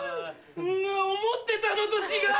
思ってたのと違う！